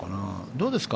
どうですか？